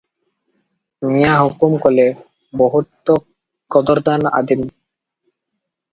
ମିଆଁ ହୁକୁମ କଲେ, "ବହୁତ କଦରଦାନ୍ ଆଦିମ୍ ।